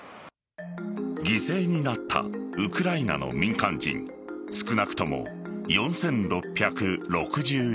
犠牲になったウクライナの民間人少なくとも４６６２人。